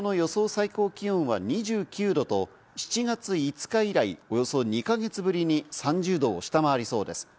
最高気温は２９度と、７月５日以来およそ２か月ぶりに３０℃を下回りそうです。